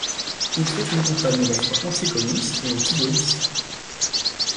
Il fait une campagne à la fois anticommuniste et antigaulliste.